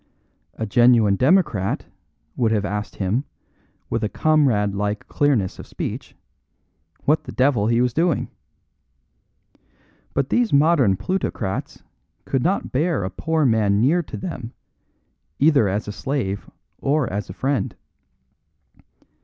A genuine democrat would have asked him, with comrade like clearness of speech, what the devil he was doing. But these modern plutocrats could not bear a poor man near to them, either as a slave or as a friend.